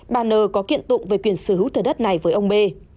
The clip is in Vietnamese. bà nờ có kiện tụng về quyền sử hữu thừa đất này với ông bê